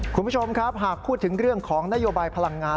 คุณผู้ชมครับหากพูดถึงเรื่องของนโยบายพลังงาน